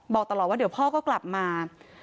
บอกตลอดว่าเดี๋ยวพ่อก็กลับมา